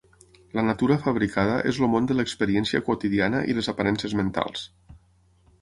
La natura fabricada és el món de l'experiència quotidiana i les aparences mentals.